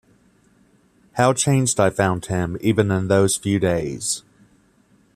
How changed I found him, even in those few days!